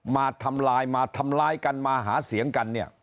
มาทำลายมาทำลายกันมาหาเสียงกัน